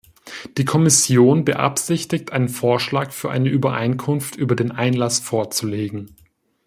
Die Kommission beabsichtigt, einen Vorschlag für eine Übereinkunft über den Einlass vorzulegen.